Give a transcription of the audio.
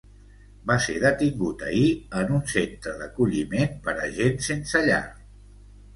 Va ser detingut ahir en un centre d’acolliment per a gent sense llar.